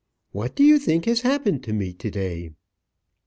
"What do you think has happened to me to day?"